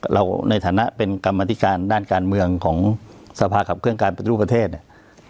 ในฐานะเป็นกรรมธิการด้านการเมืองของสภาขับเครื่องการปฏิรูปประเทศเนี่ย